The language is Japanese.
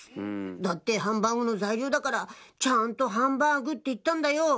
「だってハンバーグの材料だからちゃんとハンバーグって言ったんだよ」